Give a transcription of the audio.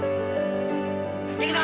いくぞ！